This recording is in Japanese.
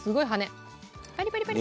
パリパリパリパリ。